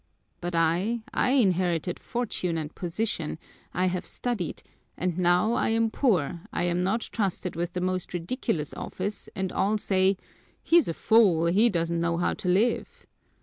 But I, I inherited fortune and position, I have studied, and now I am poor, I am not trusted with the most ridiculous office, and all say, 'He's a fool! He doesn't know how to live!'